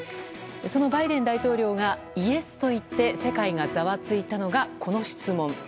そのバイデン大統領がイエスと言って世界がざわついたのが、この質問。